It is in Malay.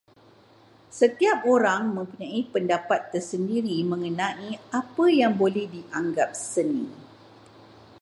Setiap orang mempunyai pendapat tersendiri mengenai apa yang boleh dianggap seni.